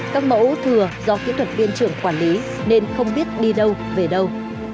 các mẫu thừa do kỹ thuật viên trưởng quản lý nên không biết đi đâu về đâu